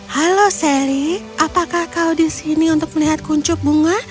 halo sally apakah kau disini untuk melihat kuncup bunga